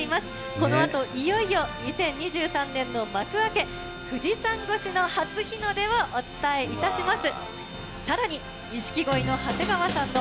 このあと、いよいよ２０２３年の幕開け、富士山越しの初日の出をお伝えいたします。